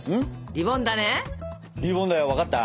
リボンだよ分かった？